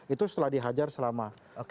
itu setelah dihajar selama